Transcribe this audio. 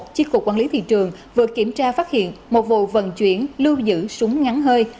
chiếc cục quản lý thị trường vừa kiểm tra phát hiện một vụ vận chuyển lưu giữ súng ngắn hơi